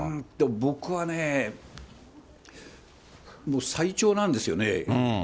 僕はね、最長なんですよね。